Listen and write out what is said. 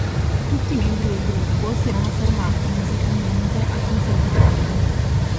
Tutti i membri del gruppo si erano formati musicalmente al conservatorio.